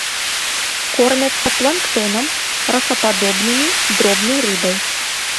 Кормяцца планктонам, ракападобнымі, дробнай рыбай.